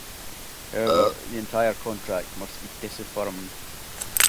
However, the entire contract must be disaffirmed.